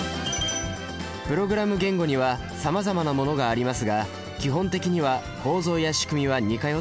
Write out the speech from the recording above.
プログラム言語にはさまざまなものがありますが基本的には構造やしくみは似通っています。